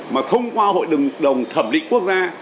mà thông qua hội đồng thẩm định quốc gia